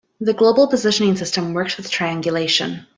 The global positioning system works with triangulation.